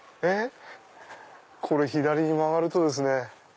これ左に曲がるとですね